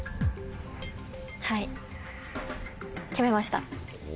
はい決めました。